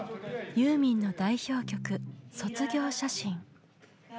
ユーミンの代表曲「卒業写真」。